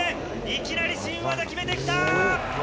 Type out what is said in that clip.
いきなり新技決めてきた！